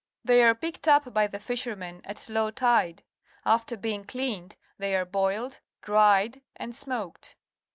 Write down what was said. They are picked up by the fishermen at low tide. After being cleaned, they are boiled, dried, and smoked.